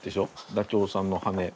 ダチョウさんの羽根。